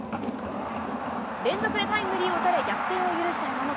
連続でタイムリーを打たれ、逆転を許した山本。